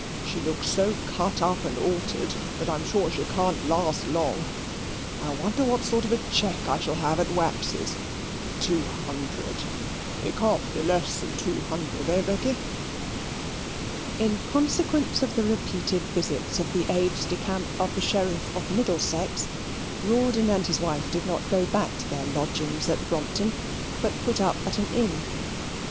"She looks so cut up and altered that I'm sure she can't last long. I wonder what sort of a cheque I shall have at Waxy's. Two hundred it can't be less than two hundred hey, Becky?" In consequence of the repeated visits of the aides de camp of the Sheriff of Middlesex, Rawdon and his wife did not go back to their lodgings at Brompton, but put up at an inn.